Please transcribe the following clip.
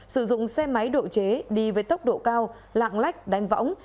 sử dụng xe máy độ chế đi với tốc độ cao lạng lách đánh võng